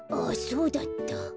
あっそうだった。